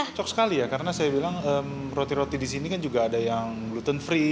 cocok sekali ya karena saya bilang roti roti di sini kan juga ada yang gluten free